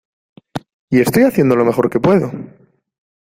Y estoy haciendo lo mejor que puedo